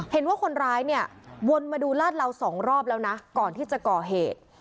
เห็นว่าคนร้ายเนี่ยวนมาดูลาดเหลาสองรอบแล้วนะก่อนที่จะก่อเหตุ